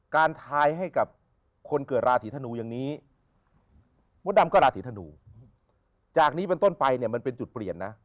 เพราะฉะนั้นผมแค่เป็นผู้ทาย